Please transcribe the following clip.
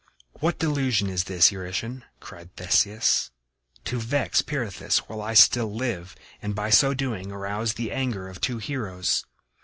"What delusion is this, Eurytion," cried Theseus, "to vex Pirithous while I still live, and by so doing arouse the anger of two heroes?"